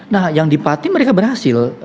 nah yang di pati mereka berhasil